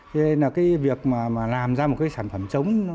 thế nên là cái việc mà làm ra một cái sản phẩm trống